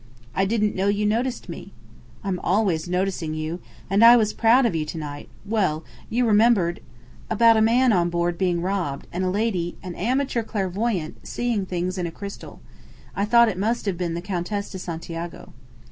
"I didn't know you noticed me." "I'm always noticing you. And I was proud of you to night. Well! You remembered " "About a man on board being robbed, and a lady an 'amateur clairvoyante,' seeing things in a crystal. I thought it must have been the Countess de Santiago."